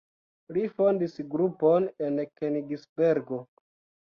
Li fondis grupon en Kenigsbergo.